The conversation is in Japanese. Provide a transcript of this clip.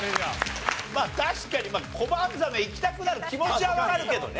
確かにコバンザメいきたくなる気持ちはわかるけどね。